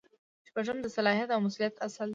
شپږم د صلاحیت او مسؤلیت اصل دی.